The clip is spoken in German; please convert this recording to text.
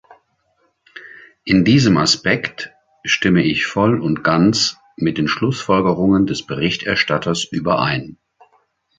In diesem Aspekt stimme ich voll und ganz mit den Schlussfolgerungen des Berichterstatters überein.